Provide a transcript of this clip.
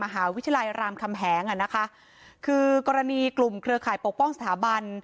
มหาวิทยาลัยรามคำแหงอ่ะนะคะคือกรณีกลุ่มเครือข่ายปกป้องสถาบัน